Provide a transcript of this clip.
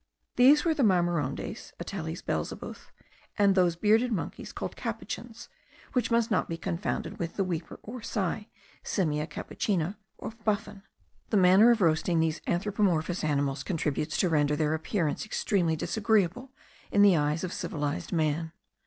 These were the marimondes (Ateles belzebuth), and those bearded monkeys called capuchins, which must not be confounded with the weeper, or sai (Simia capucina of Buffon). The manner of roasting these anthropomorphous animals contributes to render their appearance extremely disagreeable in the eyes of civilized man.